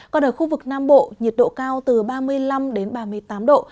còn ở khu vực nam bộ nhiệt độ cao từ ba mươi năm đến ba mươi tám độ